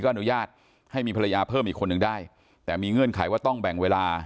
อนุญาตให้มีภรรยาเพิ่มอีกคนนึงได้แต่มีเงื่อนไขว่าต้องแบ่งเวลา